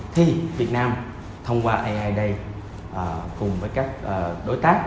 thì việt nam thông qua ai đây cùng với các đối tác